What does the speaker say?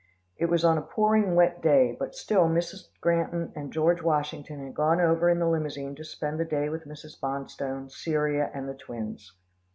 It was a pouring wet day, but still Mrs. Granton and George Washington had gone over in the limousine to spend the day with Mrs. Bonstone, Cyria and the twins.